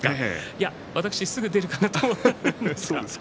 すぐ出るかなと思ったんですが。